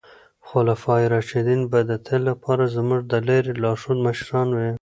خلفای راشدین به د تل لپاره زموږ د لارې لارښود مشران وي.